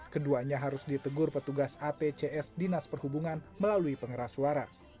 keduanya harus ditegur petugas atcs dinas perhubungan melalui pengeras suara